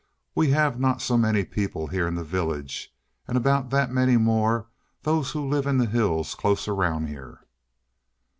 We have not so many people here in the village, and about that many more those who live in the hills close around here."